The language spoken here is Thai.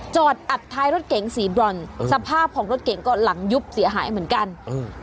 จอดอัดท้ายรถเก๋งสีบรอนสภาพของรถเก่งก็หลังยุบเสียหายเหมือนกันอืม